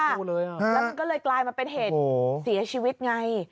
แล้วมันก็เลยกลายมาเป็นเหตุเสียชีวิตไง